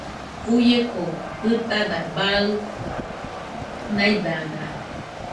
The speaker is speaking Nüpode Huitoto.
Uieko jɨtada baɨ naidada